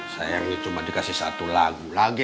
sayangnya cuma dikasih satu lagu lagi